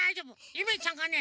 ゆめちゃんがね